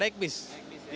naik bis ya